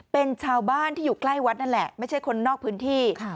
เป็นชาวบ้านที่อยู่ใกล้วัดนั่นแหละไม่ใช่คนนอกพื้นที่